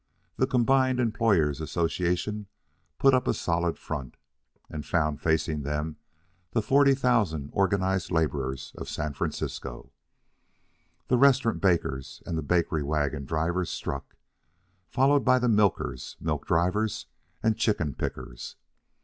The combined Employers' Associations put up a solid front, and found facing them the 40,000 organized laborers of San Francisco. The restaurant bakers and the bakery wagon drivers struck, followed by the milkers, milk drivers, and chicken pickers.